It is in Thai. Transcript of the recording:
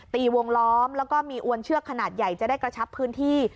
ตีวงล้อมแล้วก็มีอวนเชือกขนาดใหญ่จะได้กระชับพื้นที่